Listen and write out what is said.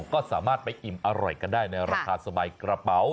ก็สามารถไปอิ่มอร่อยกันได้ในราคาสบายกระเป๋า